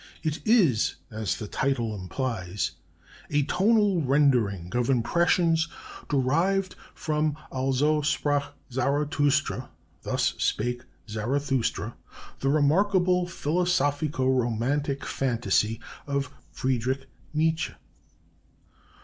It is, as the title implies, a tonal rendering of impressions derived from Also sprach Zarathustra ("Thus Spake Zarathustra"), the remarkable philosophico romantic fantasy of Friedrich Nietzsche.